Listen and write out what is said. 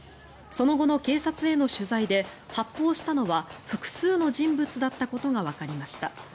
その後の警察への取材で発砲したのは複数の人物だったことがわかりました。